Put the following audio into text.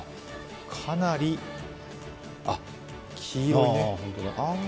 かなり、黄色い、あー。